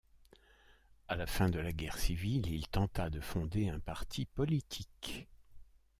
À la fin de la guerre civile, il tenta de fonder un parti politique.